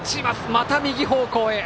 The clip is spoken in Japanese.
また右方向へ。